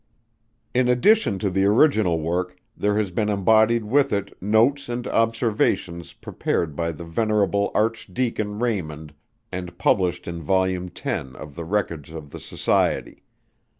In addition to the original work, there has been embodied with it, notes and observations prepared by the Venerable Archdeacon Raymond and published in Vol. X of the records of the Society.